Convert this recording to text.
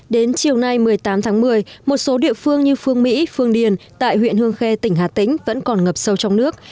đến chiều nay một mươi tám tháng một mươi một số địa phương như phương mỹ phương điền tại huyện hương khê tỉnh hà tĩnh vẫn còn ngập sâu trong nước